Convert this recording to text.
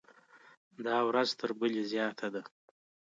دا ورځ تر بلې زیات ده.